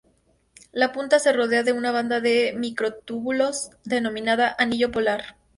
La punta se rodea de una banda de microtúbulos denominada "anillo polar".